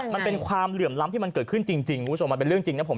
มันเป็นความเหลื่อมล้ำที่มันเกิดขึ้นจริงคุณผู้ชมมันเป็นเรื่องจริงนะผม